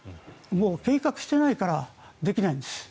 計画してないからできないんです。